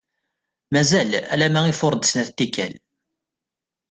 Mazal, alamma ifuṛ-d snat tikkal.